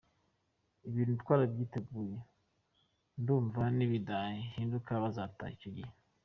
Ibi bintu twarabyiteguye, ndumva nibidahinduka buzataha icyo gihe.